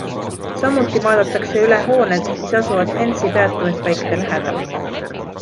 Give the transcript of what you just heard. Samuti vaadatakse üle hooned, mis asuvad Pence'i peatumispaikade lähedal.